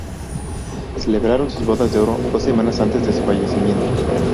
Celebraron sus bodas de oro dos semanas antes de su fallecimiento.